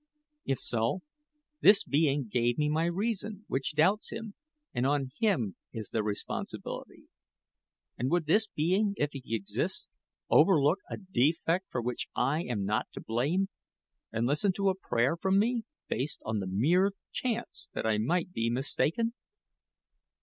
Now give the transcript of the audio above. If so, this Being gave me my reason, which doubts Him, and on Him is the responsibility. And would this being, if he exists, overlook a defect for which I am not to blame, and listen to a prayer from me, based on the mere chance that I might be mistaken?